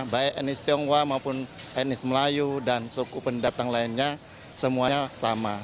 baik etnis tionghoa maupun etnis melayu dan suku pendatang lainnya semuanya sama